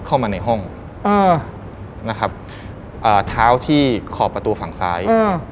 เข้ามาในห้องเออนะครับเอ่อเท้าที่ขอบประตูฝั่งซ้าย